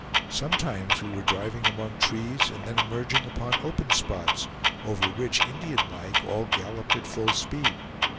Sometimes we were driving among trees, and then emerging upon open spots, over which, Indian like, all galloped at full speed.